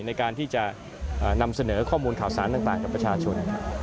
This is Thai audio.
ในการที่จะนำเสนอข้อมูลข่าวสารต่างกับประชาชน